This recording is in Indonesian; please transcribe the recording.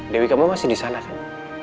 dewi kamu masih di sana kan